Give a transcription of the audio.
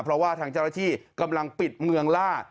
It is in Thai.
เพราะว่าทางเจ้าหน้าที่กำลังปิดเมืองล่า